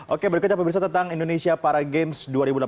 oke berikutnya pemirsa tentang indonesia para games dua ribu delapan belas